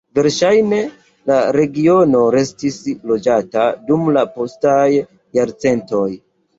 Verŝajne la regiono restis loĝata dum la postaj jarcentoj.